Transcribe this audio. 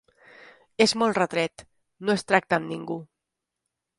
És molt retret: no es tracta amb ningú.